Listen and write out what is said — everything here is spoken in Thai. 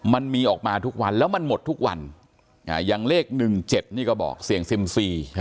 มันมีออกมาทุกวันแล้วมันหมดทุกวันอย่างเลข๑๗นี่ก็บอกเสี่ยงเซ็มซี